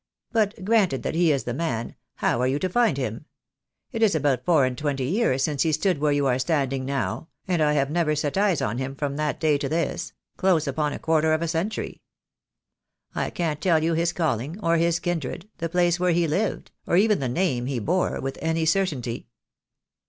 "But, granted that he is the man, how are you to find him? It is about four and twenty years since he stood where you are standing now, and I have never set eyes on him from that day to this — close upon a quarter of a century. I can't tell you his calling, or his kindred, the place where he lived, or even the name he bore, with any certainty.